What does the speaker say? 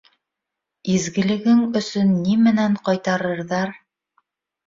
Изгелегең өсөн ни менән ҡайтарырҙар...